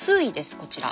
こちら。